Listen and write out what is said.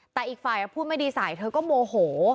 แต่อีกฝ่ายพูดไม่ดีใส่เธอก็โมโห